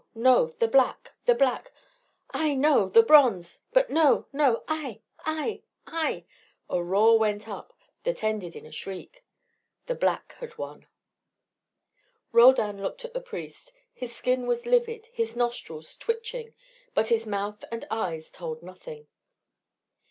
No! The black! the black! Ay, no, the bronze! but no! no! Ay! Ay! Ay!" A roar went up that ended in a shriek. The black had won. Roldan looked at the priest. His skin was livid, his nostrils twitching. But his mouth and eyes told nothing.